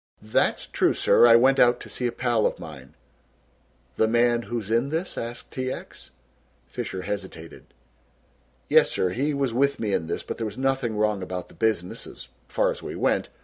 "That's true, sir, I went out to see a pal of mine." "The man who is in this!" asked T. X. Fisher hesitated. "Yes, sir. He was with me in this but there was nothing wrong about the business as far as we went.